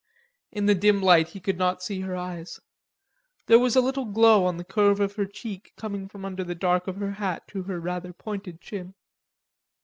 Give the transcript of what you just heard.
In the dim light he could not see her eyes. There was a little glow on the curve of her cheek coming from under the dark of her hat to her rather pointed chin.